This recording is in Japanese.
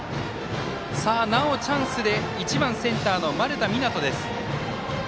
なおチャンスで１番センター、丸田湊斗です。